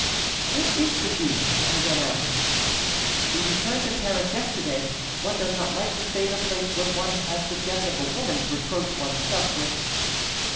'Where is the duke?' I then asked. 'He returned to Paris yesterday. One does not like to stay in a place where one has the death of a woman to reproach one's self with.